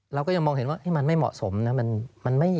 เราก็ยังมองเห็นว่ามันไม่เหมาะสมนะ